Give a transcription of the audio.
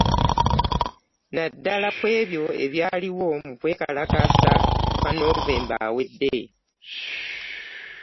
Naddala ku ebyo ebyaliwo mu kwekalakaasa kwa Novemba awedde